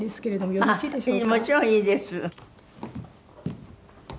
もちろんいいです。